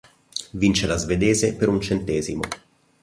Vince la svedese per un centesimo.